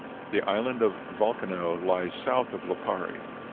The Island of Volcano lies south of Lipari.